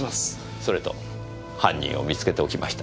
それと犯人を見つけておきました。